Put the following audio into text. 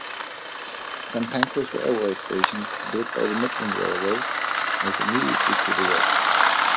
Saint Pancras railway station, built by the Midland Railway, lies immediately to the west.